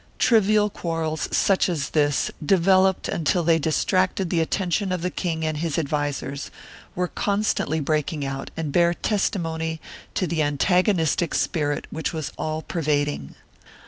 1 Trivial quarrels such as this, developed until they distracted the attention of the king and his advisers, were constantly break ing out and bear testimony to the antagonistic spirit which was all pervading.